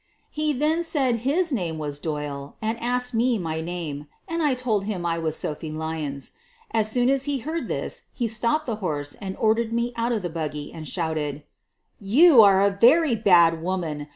He then said his name was Doyle, and asked me my name, and I told him I was Sophie 22 SOPHIE LYONS Lyons. As soon as lie heard this he stopped the horse and ordered me out of the buggy, and shouted : "You are a very bad woman.